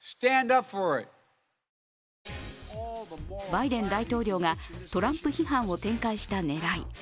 バイデン大統領がトランプ批判を展開した狙い。